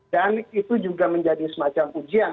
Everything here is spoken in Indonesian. dan itu juga menjadi semacam ujian